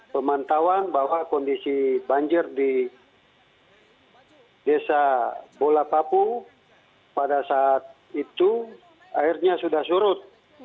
pemantauan bahwa kondisi banjir di desa bola papu pada saat itu airnya sudah surut